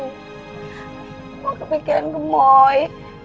gak kepikiran kemoy